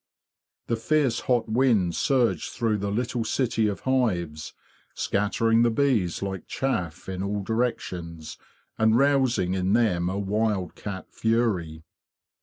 The fierce hot wind surged through the little city of hives, scattering the bees like chaff in all directions, and rousing in them a wild cat fury.